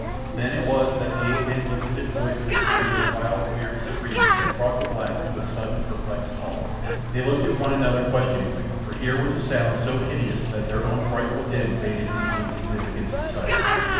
Then it was that the ape man lifted his voice in a series of wild, weird screams that brought the blacks to a sudden, perplexed halt. They looked at one another questioningly, for here was a sound so hideous that their own frightful din faded into insignificance beside it.